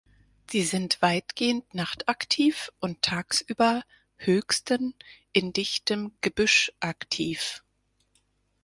Sie sind weitgehend nachtaktiv und tagsüber höchsten in dichtem Gebüsch aktiv.